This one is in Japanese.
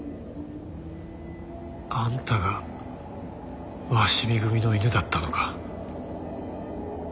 あんたが鷲見組の犬だったのか？